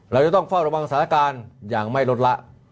เราจะต้องเฝ้าระวังสถานการณ์อย่างไม่ลดละ